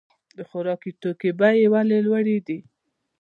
د خوراکي توکو بیې ولې لوړې دي؟